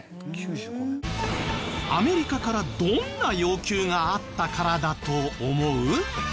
アメリカからどんな要求があったからだと思う？